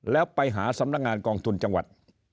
แล้วไปหาสำนักงานกองทุนจังหวัด